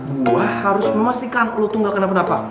gue harus memastikan lo tuh gak kena penapa